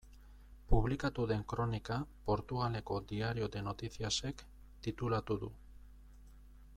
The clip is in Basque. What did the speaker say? Publikatu den kronika Portugaleko Diario de Noticias-ek titulatu du.